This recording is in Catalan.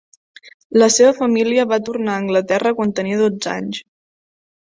La seva família va tornar a Anglaterra quan tenia dotze anys.